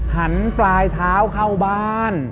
หันปลายเท้าเข้าบ้าน